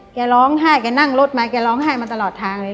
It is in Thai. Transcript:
แกร้องไห้แกนั่งรถมาแกร้องไห้มาตลอดทางเลย